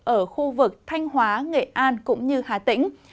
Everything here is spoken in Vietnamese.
ở khu vực thanh hóa nghệ an cũng như hà tĩnh